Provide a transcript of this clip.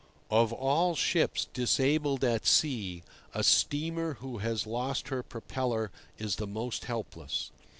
Of all ships disabled at sea, a steamer who has lost her propeller is the most helpless.